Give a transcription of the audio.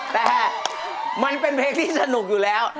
แต่มันเป็นเพลงที่สนุกอยู่แล้ว